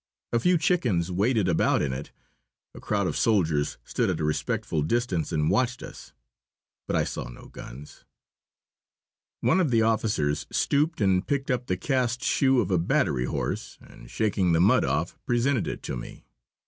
A few chickens waded about in it. A crowd of soldiers stood at a respectful distance and watched us. But I saw no guns. One of the officers stooped and picked up the cast shoe of a battery horse, and shaking the mud off, presented it to me.